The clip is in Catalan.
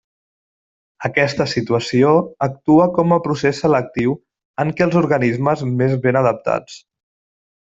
Aquesta situació actua com a procés selectiu en què els organismes més ben adaptats.